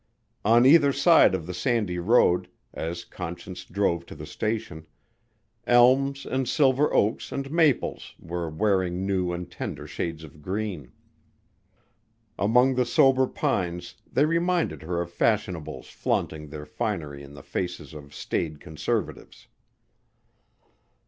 On either side of the sandy road, as Conscience drove to the station, elms and silver oaks and maples were wearing new and tender shades of green. Among the sober pines they reminded her of fashionables flaunting their finery in the faces of staid conservatives.